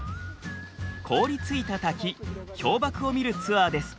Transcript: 凍りついた滝氷瀑を見るツアーです。